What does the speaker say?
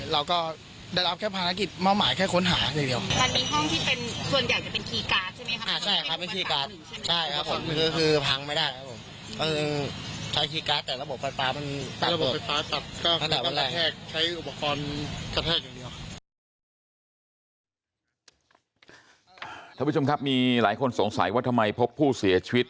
เราก็ได้รับแค่ภารกิจมาหมายแค่ค้นหาอย่างเดียว